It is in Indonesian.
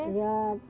ya terima kasih